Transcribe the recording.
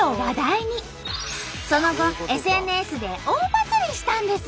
その後ＳＮＳで大バズリしたんです！